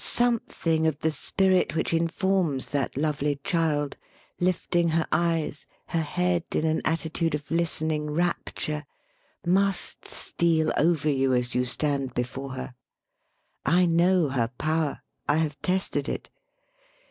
Something of the spirit which informs that lovely child, lifting her eyes, her head in an attitude of listening rapture, must steal over you as you stand before her. I know her power. I have tested it.